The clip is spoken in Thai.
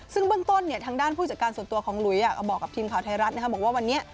ซึ่งเบื้องต้นทางด้านผู้จัดการส่วนตัวของหลุยก็บอกกับทีมข่าวไทยรัฐบอกว่าวันนี้